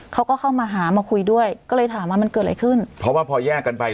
เขาก็เข้ามาหามาคุยด้วยก็เลยถามว่ามันเกิดอะไรขึ้นเพราะว่าพอแยกกันไป